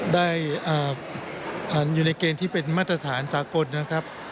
ได้อยู่ในเกณฑ์ที่เป็นมาตรฐานสากลนะครับ